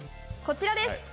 こちらです。